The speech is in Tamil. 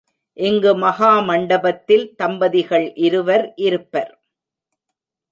இங்கு மகாமண்டபத்தில் தம்பதிகள் இருவர் இருப்பர்.